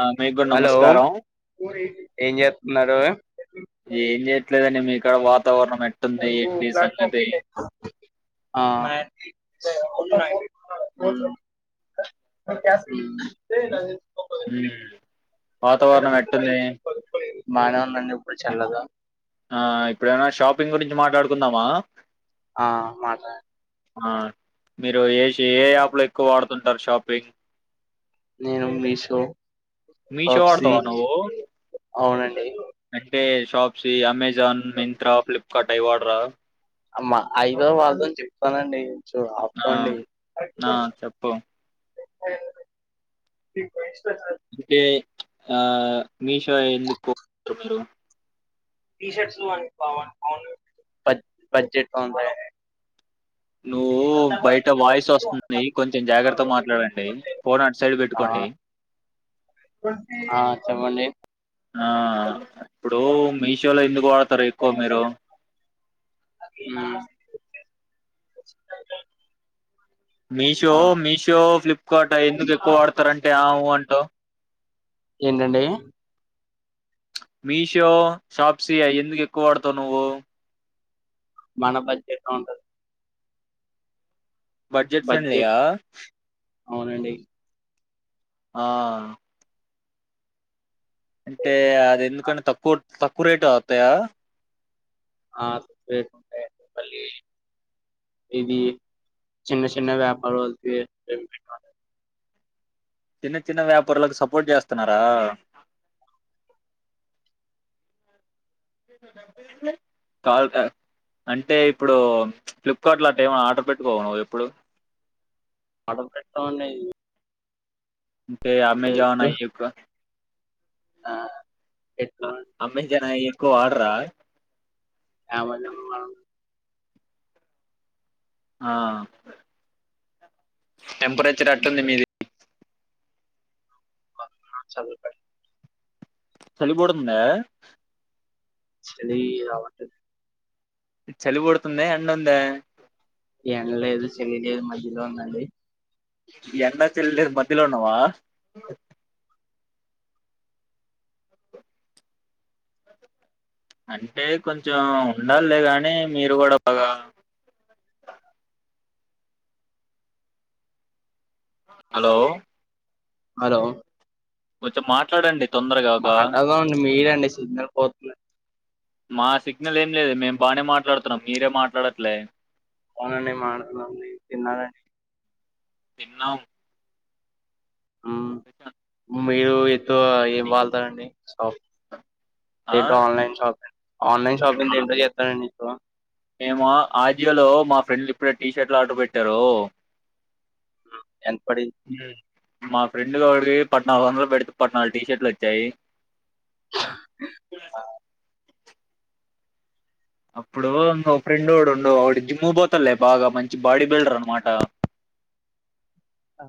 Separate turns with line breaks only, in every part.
ఆ! మీకు గూడా
హలో
నమస్కారం.
ఏం చేతున్నారు
ఏం చేయట్లేదండి మీకాడ వాతావరణం ఎట్టుంది ఏంటి సంగతి
ఆ [unintelligible] ఉ
హ్మ్.
ఉ
వాతావరణం ఎట్టుంది
బానేవుందండి ఇప్పుడు చల్లగ
ఆ ఇప్పుడేమైనా షాపింగ్ గురించి మాట్లాడుకుందామా
ఆ మాట్లా
ఆ మీరు ఏ ఏ యాప్లు ఎక్కువ వాడుతుంటారు షాపింగ్
నేను మీషో
మీషో
షాప్సీ
వాడతావా నువ్వు
అవునండి
అంటే షాప్సీ అమెజాన్ మింత్రా ఫ్లిప్కార్ట్ అవి వాడరా
అమ్మ ఐదో వాళ్ళదో అని చెప్తానండి సో
ఆ!
అప్పండి
ఆ! చెప్పు. అంటే ఆ మీషో ఎందుకు మీరు
బడ్జె బడ్జెట్ గా ఉంటాయా
నువ్వు బయట వాయిస్ వస్తుంది కొంచెం జాగ్రత్త మాట్లాడండి ఫోన్ అటు సైడ్
ఆ
పెట్టుకోండి
ఆ చెప్పండి
ఆ ఇప్పుడు మీషోలో ఎందుకు వాడతారు ఎక్కువ మీరు
మ్మ్ [inaudible]
మీషో
ఆ
మీషో ఫ్లిప్కార్ట్ ఎందుకు ఎక్కువ వాడతారంటే ఆవు అంటవ్
ఎందండి
మీషో షాప్సి అయి ఎందుకు ఎక్కువ వాడతావు నువ్వు
మన బడ్జెట్ లో ఉంటది
బడ్జెట్ ఫ్రెండ్లీయా
అవునండి
ఆ అంటే అది ఎందుకని తక్కువ తక్కువ రేటు అవుతాయా
ఆ తక్కువ రేటువి ఉంటాయండి మళ్ళీ ఇవి చిన్న చిన్న వ్యాపారాలకి
చిన్న చిన్న వ్యాపారులకు సపోర్ట్ చేస్తున్నారా కాదు కాద్ అంటే ఇప్పుడు ఫ్లిప్కార్ట్ లో అట్ట ఏం ఆర్డర్ పెట్టుకోవ నువు ఎప్పుడు
ఆర్డర్ పెట్టాంమండి
అంటే అమెజాన్ అయుక
ఆ ఎక్కవం
క్కువ వాడరా
అవును మం
ఆ టెంపరేచర్ ఎట్టుంది మీది
చలి పెడ్
చలి పుడుతుందా
చిలి రావట్లేదు
చలిపుడుతుందా ఎండ ఉందా
ఎండ లేదు చెలి లేదు మధ్యలో ఉందండి
ఎండ లేద్ చలి లేద్ మధ్యలో ఉన్నావా అంటే కొంచెం ఉండాలే గానీ మీరు కూడా బాగా హలో
హలో
కొంచం మాట్లాడండి తొందరగా ఒక
మాట్లాడదాం అండి మీరే అండి సిగ్నల్ పోతున్నాయ్
మా సిగ్నల్ ఏం లేదు మేం బానే మాట్లాడుతున్నాం మీరే మాట్లాడట్లే
అవునండి మాట్లాడుతున్నాం అండి తిన్నారా అండి
తిన్నాం
ఉమ్
తిన్నం
మీరు ఎదో ఏం వాళ్తారండి షాపింగ్
ఆ
ఏంటో ఆన్లైన్ షాపింగ్ ఆన్లైన్ షాపింగ్ దేంట్లో చేస్తానండి ఎక్కువ
మా ఆజియోలో మా ఫ్రెండ్లు ఇప్పుడే టీ షర్ట్లు ఆర్డర్ పెట్టారు
ఎన్ పడి
మా ఫ్రెండ్ దొగొడిది పద్నాలుగొందలు పెడితే పద్నాలుగు టీ షర్ట్లు వచ్చాయి జులాసి అప్పుడు మ ఫ్రెండోడుండు వాడు జిమ్ముగు పోతాడులే బాగా మంచి బాడీ బిల్డర్ అన్మాట [unintelligible]
అ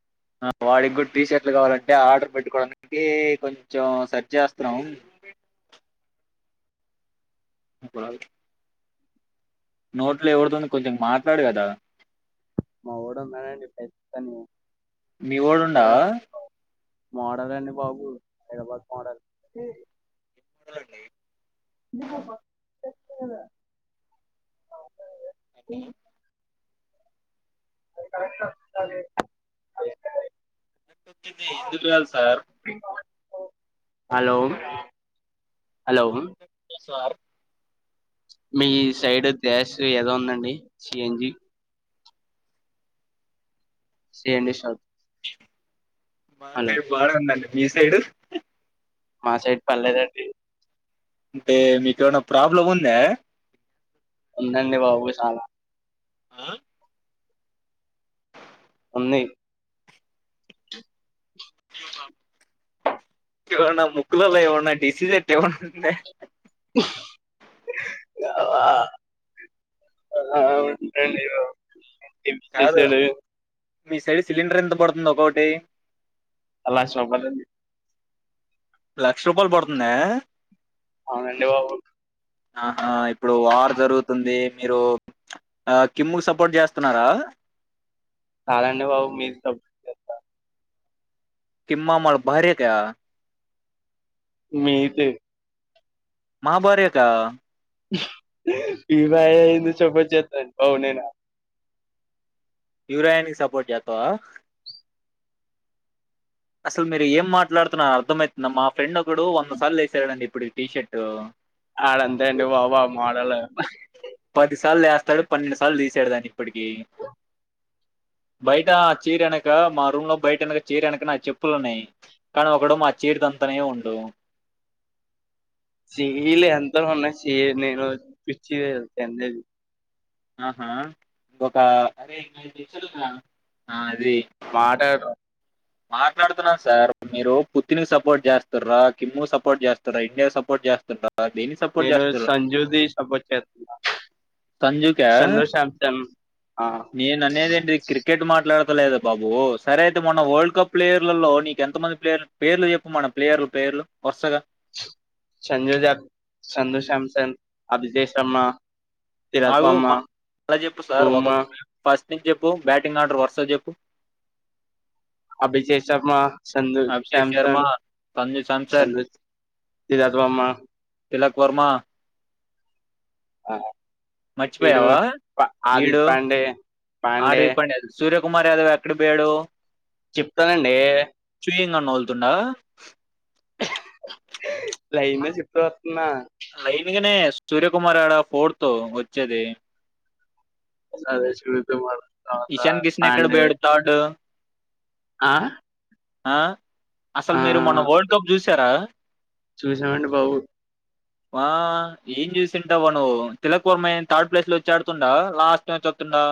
[inaudible] ఆ వాడికి గుడ టీ షర్ట్లు కావాలంటే ఆర్డర్ పెట్టుకోవడానికి కొంచెం సర్చ్ చేస్తన్నాము [unintelligible] ముంగుడల్ నోట్లో ఎవడుదన్న కొంచెం మాట్లాడు గదా
మా వోడు మ్యానుపెత్తమో
మీ ఓడుండా
మోడల్ అండి బాబు హైదరాబాద్ మోడల్
గలగై
[inaudible]
నకై
[inaudible]
కట్టొచ్చింది ఎందుకు రాల్ సార్
హలో హలో
సార్
మీ సైడ్ గ్యాస్ యదో ఉందండి C N G C N G షా
మా సైడ్ బాగందండి మీ సైడ్
మా సైడ్ పడ్లేదండి
అంటే మీకు ఏమనా ప్రాబ్లం ఉందా
ఉందండి బాబు సాలా
ఆ
ఉన్నయ్
ఎవన్నా ముక్కులల్లో ఎవన్నా డిసీజెట్ ఎవన్నా ఉందా
యావ అ [inaudible] ఉంటందిగో ఏంటి
కాదు
సేసేదే
మీ సైడ్ సిలిండర్ ఎంత పడుతుంది ఒకోటి
అల్లా షొబలుంది
లక్ష రూపాయలు బొడుతుందా
అవునండి బాబు
ఆహా ఇప్పుడు వార్ జరుగుతుంది మీరు ఆ కిమ్ముకి సపోర్ట్ చేస్తున్నారా
చాలాండి బాబు మీరు చేత్త
కిమ్మామాళ భార్యక్యా
మీతే
మా భార్య కా
ఇవాయందు చొబ చెత పౌనేనా
యూరాయనికి సపోర్ట్ జేత్తవా అసలు మీరు ఏం మాట్లాడుతున్న అర్థం అయితుంద? మా ఫ్రెండ్ ఒకడు వంద సార్లు ఏసాడండి ఇప్పుడు ఈ టీషర్ట్!
ఆడంతే అండి బాబు ఆ మోడలే
పదిసార్లు ఏస్తాడు పన్నెండు సార్లు తీసాడు దాన్ని ఇప్పటికిీ బయట ఆ చీరెనక మా రూమ్ లో బైటెనక చీరెనక నాయ్ చెప్పులున్నాయి కానీ ఒకడు మా చేడు తంతానే ఉండు
సిఈలు ఎంత ఉన్న సి నేను పిచ్చిగా చేస్తా ఎంజాయ్
ఆహా ఒక అరేయ్ నాది [unintelligible] ఉందిరా ఆ అది
మాటరు
మాట్లాడుతున్నాను సార్ మీరు పుత్తిని సపోర్ట్ చేస్తార కిమ్ము సపోర్ట్ చేస్తారా ఇండియాకి సపోర్ట్ చేస్తుండ్రా
నేను సంజ్యూది సపోర్ట్ చేతున్న
సంజుకా
ఆ
నేననేదేంటి క్రికెట్ మాట్లాడుత లేద బాబు సరే అయితే మొన్న ఓల్డ్ కప్ ప్లేయర్లలో నీకు ఎంత మంది ప్లేయర్లు పేర్లు చెప్ప మన ప్లేయర్లు పేర్లు వరుసగా
సంజుదప్ సందు శాంసన్ అభిజేషమ
అగు మళ్ల చెప్పు సార్
బూమ
ఒకొక [unintelligible] టింగ్ చెప్పు బ్యాటింగ్ ఆర్డర్ వరుసగ చెప్పు
అభిషె శర్మా సంజు
అభిషేక్ శర్మ
సమ్సన్
సంజు సామ్సన్
సంజుజ్ దీరజ్ వమ్మ
తిలక్ వర్మా
అగో
మర్చిపోయావా
ఆది
ఈడు
పాండే పాండే
ఆదిడ్ పాండ్య సూర్య కుమార్ యాదవ్ ఎక్కడికి బోయాడు
చెప్తానండి
నీనన్ ఒల్తుండా
లైన్ గా చెప్తూ వతున్నా
లైన్ గానే సూర్యకుమార్ ఆడ ఫోర్తు వచ్చేది ఇషాన్ కిషన్ ఎక్కడ
పాండే
పోయాడు థర్డ్
ఆ
ఆ అసలు మీరు మొన్న వరల్డ్ కప్ చూసారా
చూసినమండి బాబు
వా ఏం చూసింటావ నువు తిలక్ వర్మ ఏం థర్డ్ ప్లేస్ లో వచ్చా ఆడుతుండ? లాస్ట్ లోంచి ఆతుండా.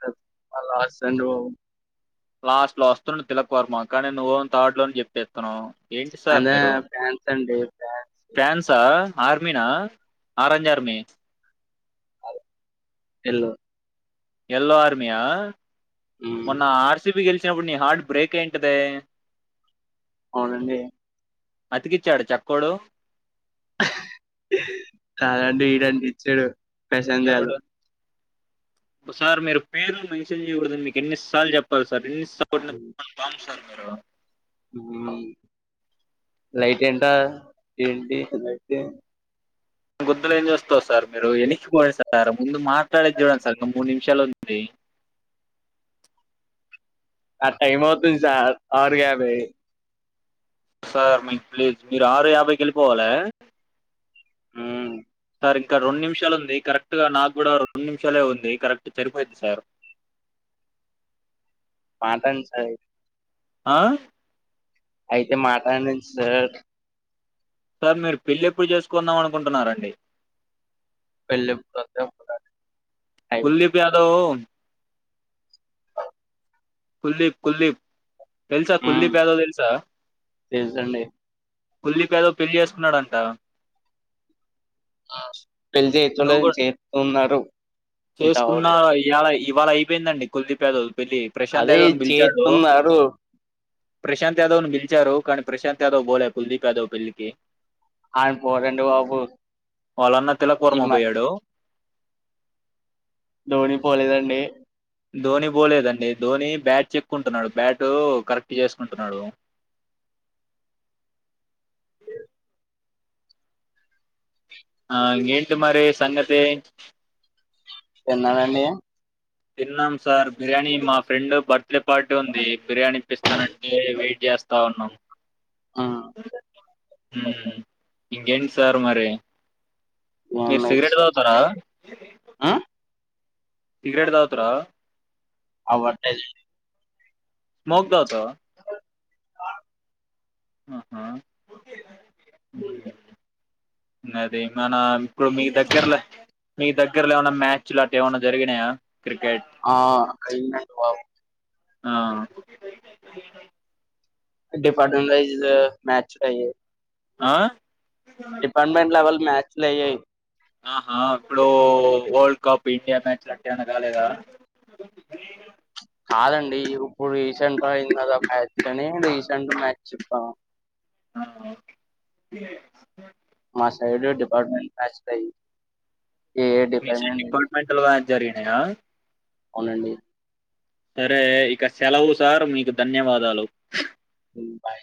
కద్, ఆ లాస్ట్ అండి బాబు.
లాస్ట్ లో అస్తుండు తిలకవర్మ కానీ నువ్వు వొమో థర్డ్ లోనే చెప్పేతున్నవ్. ఏంటి సార్
అదే
మీరు,
ఫ్యాన్స్ అండి ఫ్యాన్స్
ఫ్యాన్సా? ఆర్మిన? Orange army.
Yellow
yellow army ఆ? మొన్న ఆర్సిబి గెలిస్ చినప్పుడు నీ హార్ట్ బ్రేక్ అయ్ ఉంటదే
అవునండి
అతికిచ్చాడ చక్కోడు
కాదండి ఈడంటిచాడు ప్రశాందాలు
ఒ సార్ మీరు పేర్లు మెన్షన్ చేయకూడదని మీకు ఎన్నిసార్లు చెప్పాలి స్ సర్ ఎన్ని సార్లు [unintelligible] పాము సర్ మీరు
నువు లైట్ ఏంట ఏంటి లైటు
[unintelligible] ఏం చూస్తార్ సార్ మీరు ఎనక్కిపోండి సార్ ముందు మాట్లాడేది చూడండి సార్ ఇంకా మూడు నిమిషాలె వుం వెయ్
అ టైమ్ అవుతుంది సార్ ఆరు యాబై
సార్ మీకు ప్లీజ్ మీరు ఆరు యాభైకి వెళ్ళిపోవాలె
ఊ
సార్ ఇంకా రెండు నిమిషాలు ఉంది కరెక్ట్ గా నాకు కూడా రెండు నిమిషాలే ఉంది కరెక్ట్ సరిపోయిది సార్
మాటన్ సాయి
ఆ
అయితే మాటడన్ సార్
సార్ మీరు పెళ్లిి ఎప్పుడు చేసుకుందాం అనుకుంటున్నారండి
పెళ్ళెప్పుడు అయితే అప్పుడండి
కుల్లీప్ యాదవ్ కుల్దీప్ కుల్దీప్ తెలుసా
ఉమ్
కుల్దీప్ యాదవ్ తెలుసా
తెలుసండి
కుల్లిప్ యాదవ్ పెళ్లిి చేస్తున్నాడంట
ఆ పెళ్ళి చేయటం లేదని చేతున్నారు
చేసుకున్న ఇయ్యళ ఇవాళ అయిపోయిందండి కుల్దిప్ యాదవ్ పెళ్లి ప్రశాంత్
అదే
యాదవ్ని బిల్చాడు
చేస్తున్నారు
ప్రశాంత్ యాదవ్ ను పిల్చరు కానీ ప్రశాంత్ యాదవ్ బోలే కుల్దీప్ యాదవ్ పిళ్ళి కి
ఆయన పోడండి బాబు
వాళ్ళన్న తిలక్
ఈ మ
వర్మపోయాడు
ధోని పోలేదండి
ధోని పోోలేదండి ధోని బ్యాట్ చెక్కుంటున్నాడు బ్యాట్ కరెక్ట్ చేసుకుంటున్నాడు ఆ ఎంటి మరి సంగతి
తిన్నారా అండి
తిన్నాం సార్ బిర్యానీ మా ఫ్రెండ్ బర్త్డే పార్టీ ఉంది బిర్యానీ ఇప్పిస్తానంటే వెయిట్ చే స్తా ఉన్నం
ఉమ్
హుమ్ ఇకేంటి సార్ మరి
ఏం
మీరు సిగరెట్
లైట్స్
తగుతారా
ఆ
సిగరెట్ తాగుతరా
అవ్వటయ్
స్మోక్ తగుతావా
ఆ
ఆహా అది మన ఇప్పుడు మీ దగ్గరలో మీ దగ్గరలో ఏమైన మ్యాచ్లు అట్ ఏమన్నా జరిగినయా
ఆ అయినా డి బాబు
ఆ
డిఫాలైజ్ మ్యాచ్ లాయ్యి
ఆ
డిపార్ట్మెంట్ లెవెల్ మ్యాచ్లు అయ్యయ్
ఆహా ఇప్పుడు వరల్డ్ కప్ ఇండియా మ్యాచ్ అట్టే మన్న కాలేదా
కాదండి ఇప్పుడు రీసెంట్ అయింది కదా మ్యాచ్ అని రీసెంట్ మ్యాచ్ చెప్పాము
అ ఆ
మా సైడు డిపార్ట్మెంట్ బ్యాచ్ లయ్యి
మీ సైడ్ డిపార్ట్మెంట్ల్ వారి జరిగినయా
అవునండి
సరే ఇక సెలవు సార్ మీకూ ధన్యవాదాలు
హు బాయ్